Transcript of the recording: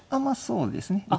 まあそうですね。